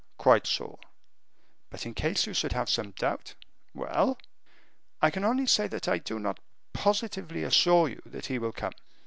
"Quite sure." "But in case you should have some doubt." "Well!" "I can only say that I do not positively assure you that he will come."